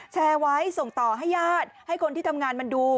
แชร์ไว้ส่งต่อให้ญาติให้คนที่ทำงานมันดู